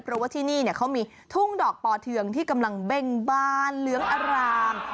เพราะว่าที่นี่เขามีทุ่งดอกปอเทืองที่กำลังเบ่งบานเหลืองอาราม